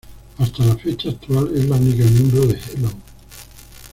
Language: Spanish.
Hasta la fecha actual, es la única miembro de Hello!